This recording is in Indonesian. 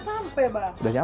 kan udah sampai bang